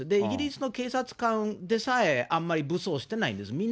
イギリスの警察官でさえ、あんまり武装してないんです。